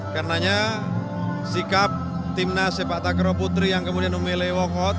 karenanya sikap timnas sepak takraw putri yang kemudian memilih walkot